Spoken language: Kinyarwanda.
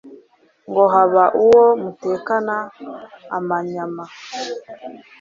ngo haba uwo mutekana amanyama